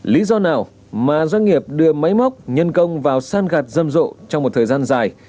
lý do nào mà doanh nghiệp đưa máy móc nhân công vào san gạt râm rộ trong một thời gian dài